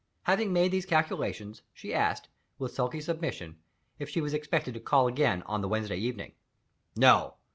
Having made these calculations, she asked, with sulky submission, if she was expected to call again on the Wednesday evening. "No.